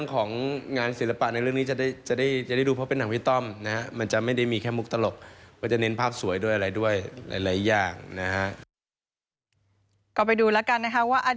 ก็ไปดูแล้วกันนะคะว่า